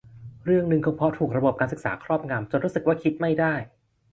เรื่องนึงคงเพราะถูกระบบการศึกษาครอบงำจนรู้สึกว่าคิดไม่ได้